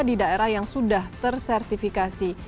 di daerah yang sudah tersertifikasi